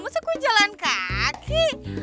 masa gue jalan kaki